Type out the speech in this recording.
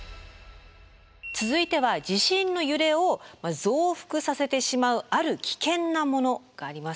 続いては地震の揺れを増幅させてしまうある危険なものがあります。